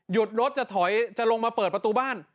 รถจะถอยจะลงมาเปิดประตูบ้าน